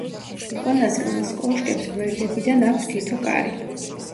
უკანასკნელს კოშკებს გვერდებიდან აქვს თითო კარი.